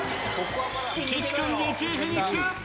岸君１位フィニッシュ！